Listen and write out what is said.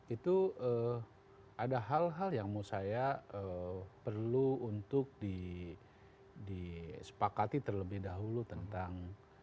itu ada hal hal yang menurut saya perlu untuk disepakati terlebih dahulu tentang